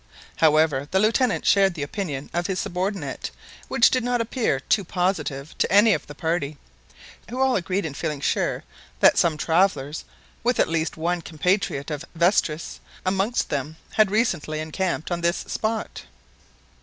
However, the Lieutenant shared the opinion of his subordinate, which did not appear too positive to any of the party, who all agreed in feeling sure that some travellers, with at least one compatriot of Vestris amongst them, had recently encamped on this spot.